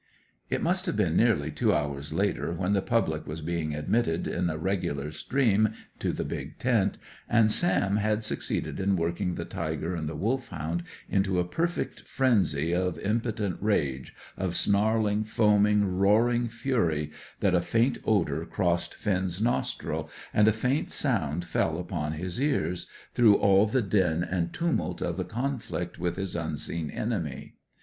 It must have been nearly two hours later, when the public was being admitted in a regular stream to the big tent, and Sam had succeeded in working the tiger and the Wolfhound into a perfect frenzy of impotent rage, of snarling, foaming, roaring fury, that a faint odour crossed Finn's nostrils, and a faint sound fell upon his ears, through all the din and tumult of the conflict with his unseen enemy.